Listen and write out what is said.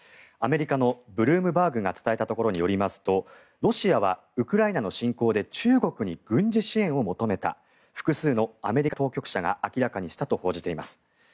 アメリカのブルームバーグが伝えたところによりますとロシアはウクライナの侵攻で中国に軍事支援を求めた複数のアメリカ当局者が明らかにしたと報じています。